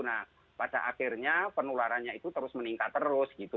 nah pada akhirnya penularannya itu terus meningkat terus gitu